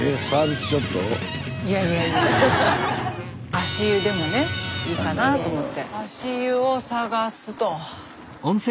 スタジオ足湯でもねいいかなと思って。